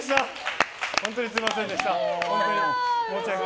本当にすみませんでした。